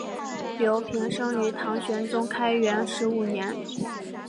刘怦生于唐玄宗开元十五年。